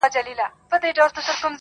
د تازه هوا مصرف یې ورښکاره کړ؛